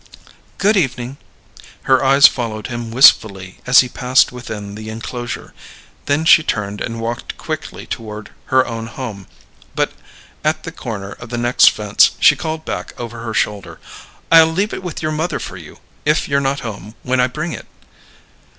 "Good evening." Her eyes followed him wistfully as he passed within the enclosure; then she turned and walked quickly toward her own home; but at the corner of the next fence she called back over her shoulder, "I'll leave it with your mother for you, if you're not home when I bring it."